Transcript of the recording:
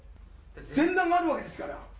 前段があるわけですから。